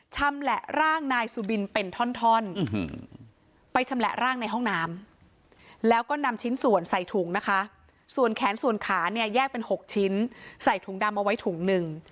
แขนส่วนขาเนี่ยแยกเป็น๖ชิ้นใส่ถุงดำเอาไว้ถุงหนึ่ง